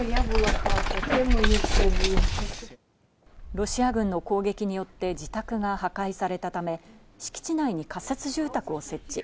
ロシア軍の攻撃によって自宅が破壊されたため、敷地内に仮設住宅を設置。